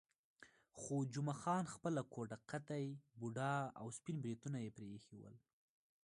خو جمعه خان خپله کوټه قده، بوډا او سپین بریتونه یې پرې ایښي ول.